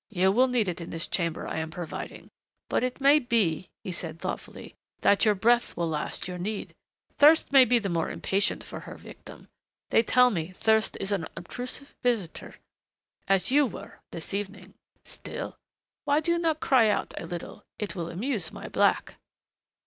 "You will need it in this chamber I am providing.... But it may be," he said thoughtfully, "that your breath will last your need. Thirst may be the more impatient for her victim; they tell me thirst is an obtrusive visitor. As you were, this evening.... Still, why do you not cry out a little? It will amuse my black."